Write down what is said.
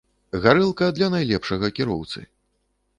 Гарэлка для найлепшага кіроўцы.